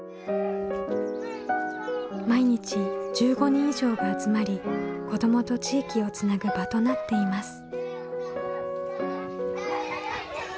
毎日１５人以上が集まり子どもと地域をつなぐ場となっています。